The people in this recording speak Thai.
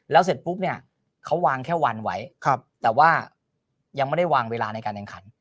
แล้วเสร็จปุ๊บเนี่ยเขาวางแค่วันไว้แต่ว่ายังไม่ได้วางเวลาในการแข่งขัน